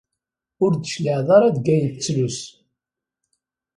Ur d-tecliɛ ara deg ayen tettlus.